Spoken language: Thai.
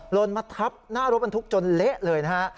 ลนมาทับหน้ารถบรรทุกจนเละเลยนะฮะ